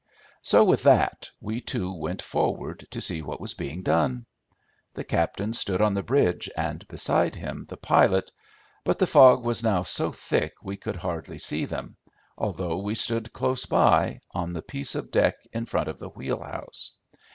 So with that we two went forward to see what was being done. The captain stood on the bridge and beside him the pilot, but the fog was now so thick we could hardly see them, although we stood close by, on the piece of deck in front of the wheelhouse.